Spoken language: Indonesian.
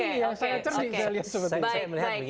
saya lihat seperti ini